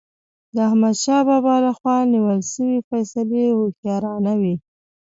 د احمدشاه بابا له خوا نیول سوي فيصلي هوښیارانه وي.